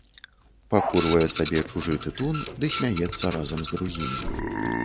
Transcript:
Пакурвае сабе чужы тытун ды смяецца разам з другімі.